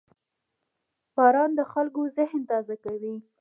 • باران د خلکو ذهن تازه کوي.